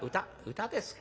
歌ですか。